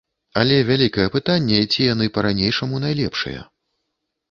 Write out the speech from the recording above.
Але вялікае пытанне, ці яны па-ранейшаму найлепшыя.